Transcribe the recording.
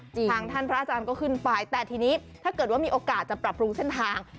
ทางท่านพระอาจารย์ก็ขึ้นไปแต่ทีนี้ถ้าเกิดว่ามีโอกาสจะปรับปรุงเส้นทาง